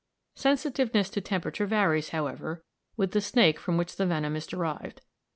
Sensitiveness to temperature varies, however, with the snake from which the venom is derived.